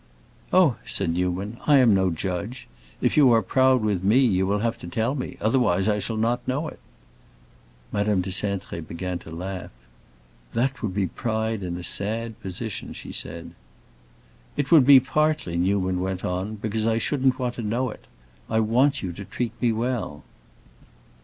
"Oh," said Newman, "I am no judge. If you are proud with me, you will have to tell me. Otherwise I shall not know it." Madame de Cintré began to laugh. "That would be pride in a sad position!" she said. "It would be partly," Newman went on, "because I shouldn't want to know it. I want you to treat me well."